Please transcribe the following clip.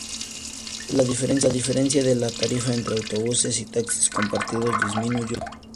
La diferencia de la tarifa entre autobuses y taxis compartidos disminuyó.